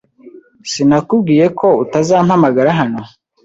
Sinakubwiye ko utazampamagara hano?